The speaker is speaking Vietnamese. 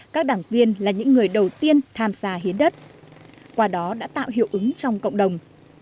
các đảng viên là những người đầu tiên tham gia hiến đất qua đó đã tạo hiệu ứng trong cộng đồng